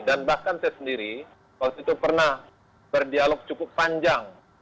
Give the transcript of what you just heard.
dan bahkan saya sendiri waktu itu pernah berdialog cukup panjang